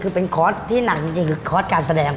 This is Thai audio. คือเป็นคอร์สที่หนักจริงคือคอร์สการแสดง